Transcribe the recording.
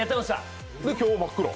今日、真っ黒？